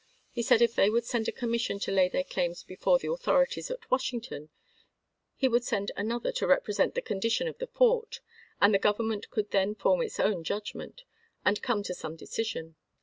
He said if they would send a commission to lay their claims before the authori ties at Washington, he would send another to Douweday, represent the condition of the fort, and the Gov sumtCTaU eminent could then form its own judgment, and Pp?io8fio9. come to some decision."